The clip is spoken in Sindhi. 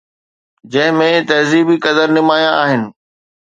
جنهن ۾ تهذيبي قدر نمايان آهن.